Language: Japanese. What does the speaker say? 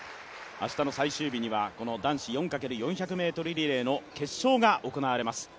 明日の最終日にはこの男子４×４００ｍリレーの決勝が行われます。